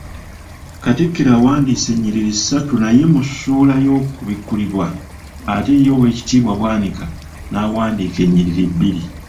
Katikkiro awandiise ennyiriri ssatu naye mu ssuula y'okubikkulirwa, ate ye Oweekitiibwa Bwanika n'awandiika ennyiriri bbiri.